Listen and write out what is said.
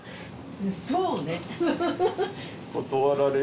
そうね。